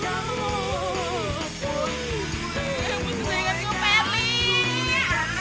fiat kali lu pergi prohibited